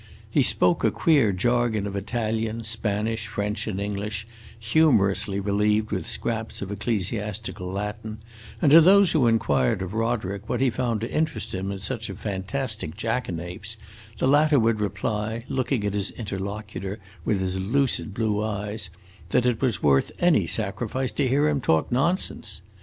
He spoke a queer jargon of Italian, Spanish, French, and English, humorously relieved with scraps of ecclesiastical Latin, and to those who inquired of Roderick what he found to interest him in such a fantastic jackanapes, the latter would reply, looking at his interlocutor with his lucid blue eyes, that it was worth any sacrifice to hear him talk nonsense!